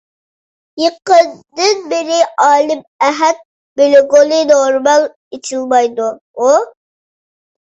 يېقىندىن بېرى ئالىم ئەھەت بىلوگى نورمال ئېچىلمايدىغۇ؟